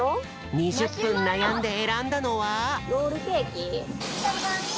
２０ぷんなやんでえらんだのは。